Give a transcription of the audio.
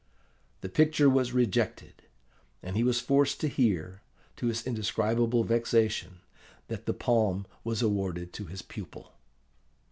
The picture was rejected; and he was forced to hear, to his indescribable vexation, that the palm was awarded to his pupil.